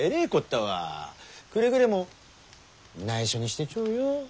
くれぐれもないしょにしてちょよ。